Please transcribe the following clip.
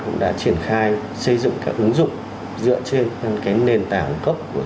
cũng đã triển khai xây dựng các ứng dụng dựa trên nền tảng quốc gia